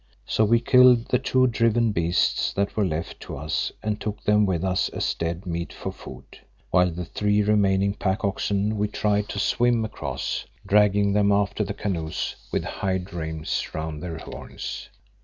So we killed the two driven beasts that were left to us and took them with us as dead meat for food, while the three remaining pack oxen we tried to swim across, dragging them after the canoes with hide reims round their horns.